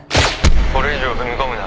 「これ以上踏み込むな。